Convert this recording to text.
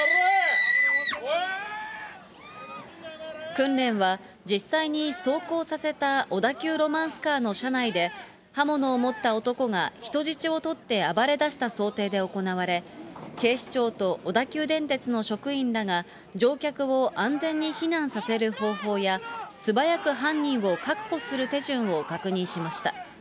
訓練は実際に走行させた小田急ロマンスカーの車内で、刃物を持った男が人質を取って暴れだした想定で行われ、警視庁と小田急電鉄の職員らが乗客を安全に避難させる方法や、素早く犯人を確保する手順を確認しました。